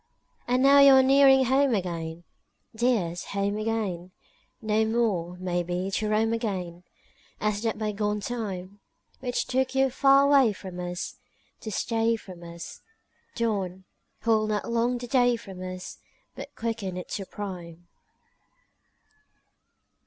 IV And now you are nearing home again, Dears, home again; No more, may be, to roam again As at that bygone time, Which took you far away from us To stay from us; Dawn, hold not long the day from us, But quicken it to prime!